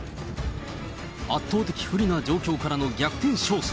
圧倒的不利な状況からの逆転勝訴。